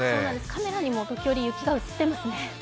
カメラにも時折雪が映っていますね。